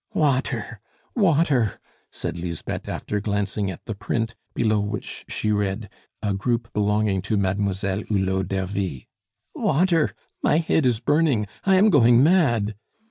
"Water! water!" said Lisbeth, after glancing at the print, below which she read, "A group belonging to Mademoiselle Hulot d'Ervy." "Water! my head is burning, I am going mad!"